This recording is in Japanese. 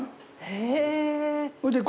へえ。